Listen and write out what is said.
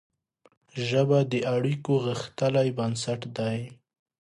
ژبه د اړیکو غښتلی بنسټ دی